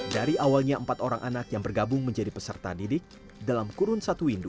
dari awalnya empat orang anak yang bergabung menjadi peserta didik dalam kurun satu windu